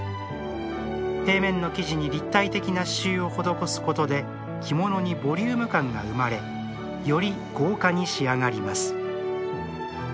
平面の生地に立体的な刺繍を施すことで着物にボリューム感が生まれより豪華に仕上がります。